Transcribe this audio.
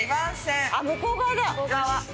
向こう側だ。